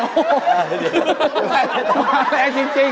ทำไมทำไมแรงจริง